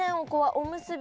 おむすび